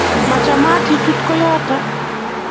machamat ichuut koyoto